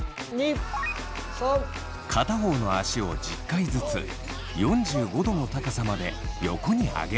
片方の足を１０回ずつ４５度の高さまで横に上げます。